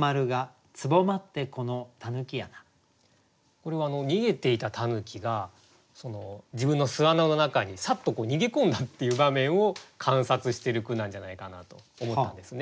これは逃げていた狸が自分の巣穴の中にサッと逃げ込んだっていう場面を観察している句なんじゃないかなと思ったんですね。